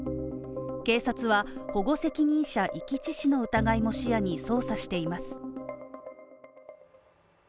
警察は保護責任者遺棄致死の疑いも視野に捜査しています。